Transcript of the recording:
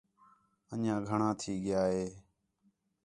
انجھیاں گھݨاں تھی ڳیا ہے